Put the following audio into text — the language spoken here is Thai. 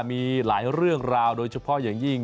มีหลายเรื่องราวโดยเฉพาะอย่างยิ่ง